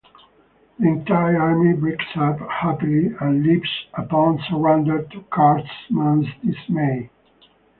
The entire army breaks up happily and leaves upon surrender to Cartman's dismay.